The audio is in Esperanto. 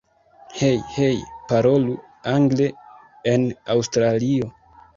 Hej! Hej! Parolu angle en Aŭstralio!